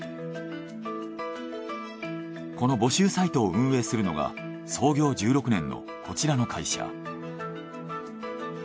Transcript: この募集サイトを運営するのが創業１６年のこちらの会社。